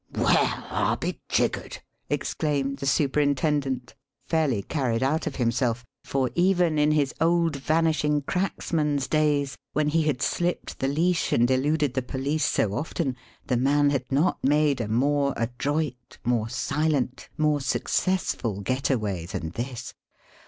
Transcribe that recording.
"Well, I'll be jiggered!" exclaimed the superintendent, fairly carried out of himself for, even in his old Vanishing Cracksman's days, when he had slipped the leash and eluded the police so often, the man had not made a more adroit, more silent, more successful getaway than this.